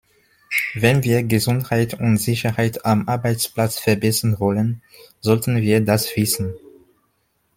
Wenn wir Gesundheit und Sicherheit am Arbeitsplatz verbessern wollen, sollten wir das wissen.